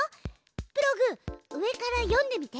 プログ上から読んでみて。